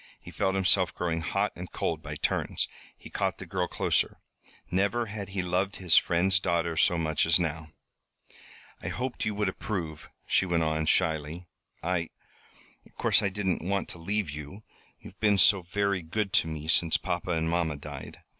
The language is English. He felt himself growing hot and cold by turns. He caught the girl closer. Never had he loved his friend's daughter so much as now. "I hoped you would approve," she went on, shyly. "I of course I didn't want to leave you you've been so very good to me since papa and mamma died.